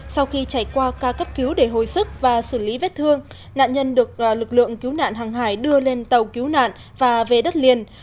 sau khi chảy qua ca cấp cứu để hồi sức và xử lý vết thương nạn nhân được lực lượng cứu nạn hàng hải đưa lên tàu cứu nạn và về đất liền